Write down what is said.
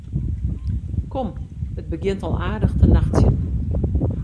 Kom, it begjint al aardich te nachtsjen.